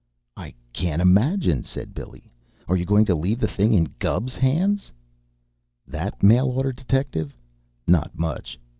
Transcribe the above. "I can't imagine," said Billy. "Are you going to leave the thing in Gubb's hands?" "That mail order detective? Not much!